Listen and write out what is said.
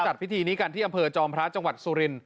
จัดพิธีนี้กันที่อำเภอจอมพระจังหวัดสุรินท